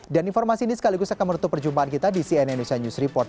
dan informasi ini sekaligus akan menutup perjumpaan kita di cnn indonesia news report